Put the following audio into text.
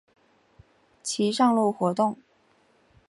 其上路活动。